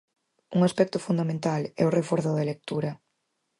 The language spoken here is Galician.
Un aspecto fundamental é o reforzo da lectura.